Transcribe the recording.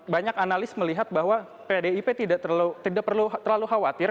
banyak analis melihat bahwa pdip tidak perlu terlalu khawatir